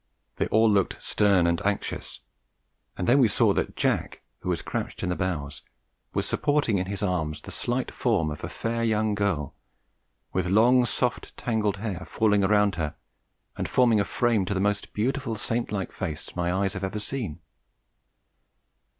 They all looked stern and anxious; and then we saw that Jack, who was crouched in the bows, was supporting in his arms the slight form of a fair young girl, with long, soft, tangled hair falling around her and forming a frame to the most beautiful saint like face my eyes had ever seen.